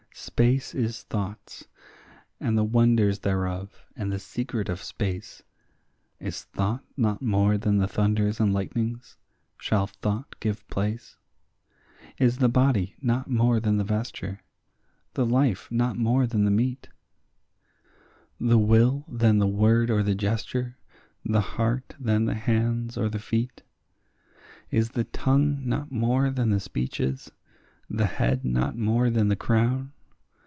Space is thought's, and the wonders thereof, and the secret of space; Is thought not more than the thunders and lightnings? shall thought give place? Is the body not more than the vesture, the life not more than the meat? The will than the word or the gesture, the heart than the hands or the feet? Is the tongue not more than the speech is? the head not more than the crown?